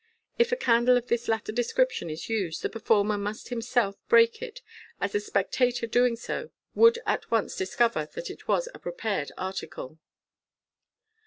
If a candle of this latter description is used, the performer must himself break it, as a spectator doing so would at once discover that it was a prepared article.